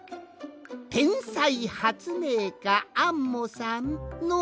「てんさいはつめいかアンモさん」の「て」！